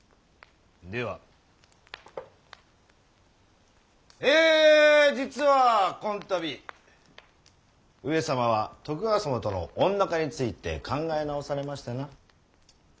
ではえ実はこん度上様は徳川様とのおん仲について考え直されましてな。